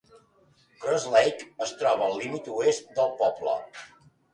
Cross Lake es troba al límit oest del poble.